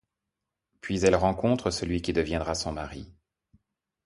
Puis elle rencontre celui qui deviendra son mari.